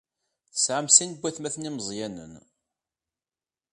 Tesɛam sin n waytmaten imeẓyanen.